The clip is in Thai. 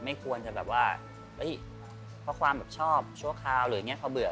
ไม่ควรจะแบบว่าเฮ้ยเพราะความแบบชอบชั่วคราวหรืออย่างนี้เขาเบื่อ